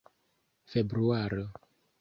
februaro